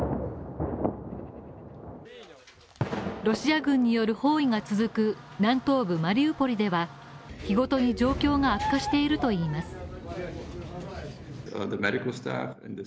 ロシア軍による包囲が続く南東部マリウポリでは日ごとに状況が悪化しているといいます。